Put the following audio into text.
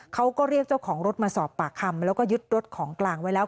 เขาก็เรียกเจ้าของรถมาสอบปากคำแล้วก็ยึดรถของกลางไว้แล้ว